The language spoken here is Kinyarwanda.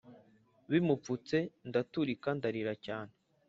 bimupfutse ndaturika ndarira cyane